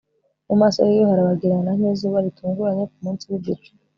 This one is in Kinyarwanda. Mu maso hiwe harabagirana nkizuba ritunguranye ku munsi wigicu